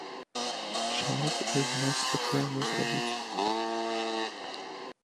Чаму б і ў нас такое не зрабіць?